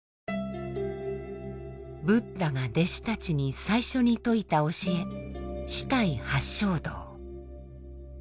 ブッダが弟子たちに最初に説いた教え四諦八正道。